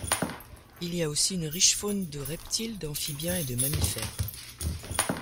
Il y a aussi une riche faune de reptiles, d'amphibiens et de mammifères.